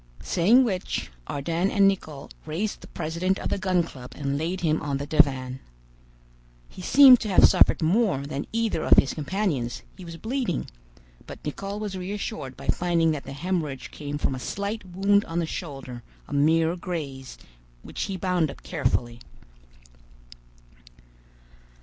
Saying which, Ardan and Nicholl raised the president of the Gun Club and laid him on the divan. He seemed to have suffered more than either of his companions; he was bleeding, but Nicholl was reassured by finding that the hemorrhage came from a slight wound on the shoulder, a mere graze, which he bound up carefully.